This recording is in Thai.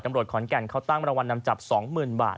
ตำรวจขอนแก่งเขาตั้งรวรรณนำจับสองหมื่นบาท